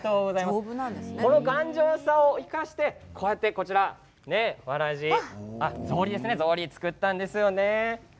この頑丈さを生かしてこうやってわらじ、草履を作ったんですよね。